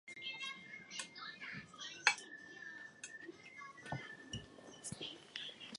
Their replacements would be chosen by Fletcher from a list provided by Stumbo.